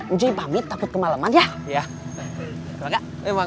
uji pamit takut kemalaman ya